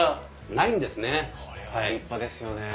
これは立派ですよね。